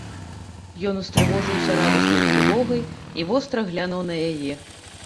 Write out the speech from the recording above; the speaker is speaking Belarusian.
Ён устрывожыўся радаснай трывогай і востра глянуў на яе.